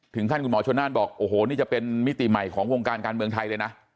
ท่านคุณหมอชนนั่นบอกโอ้โหนี่จะเป็นมิติใหม่ของวงการการเมืองไทยเลยนะ